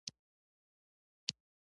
هغې د صمیمي شعله په اړه خوږه موسکا هم وکړه.